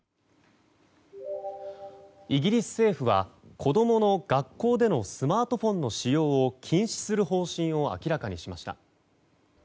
イギリス政府は子供の学校でのスマートフォンの使用を禁止する方針を明らかにしました。